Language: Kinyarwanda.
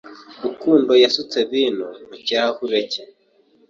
Rukundo yasutse vino mu kirahure cye.